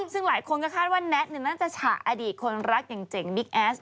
ซึ่งหลายคนก็คาดว่าแน็ตน่าจะฉะอดีตคนรักอย่างเจ๋งบิ๊กแอส